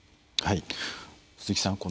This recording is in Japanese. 鈴木さん